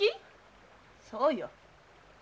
そうよ。